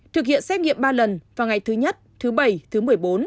thực hiện xét nghiệm ba lần vào ngày thứ nhất thứ bảy thứ một mươi bốn